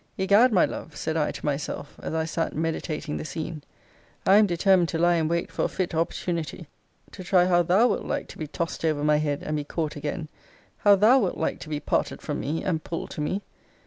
Egad, my love, said I to myself, as I sat meditating the scene, I am determined to lie in wait for a fit opportunity to try how thou wilt like to be tost over my head, and be caught again: how thou wilt like to be parted from me, and pulled to me.